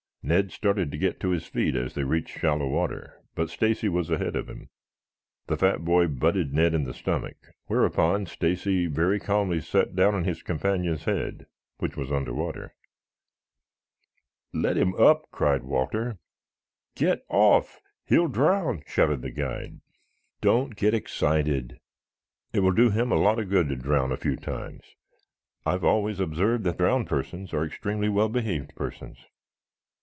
Ned started to get to his feet as they reached shallow water, but Stacy was ahead of him. The fat boy butted Ned in the stomach, whereupon Stacy very calmly sat down on his companion's head, which was under water. "Let him up!" cried Walter. "Get off! He'll drown!" shouted the guide. "Don't get excited. It will do him a lot of good to drown a few times. I've always observed that drowned persons are extremely well behaved persons."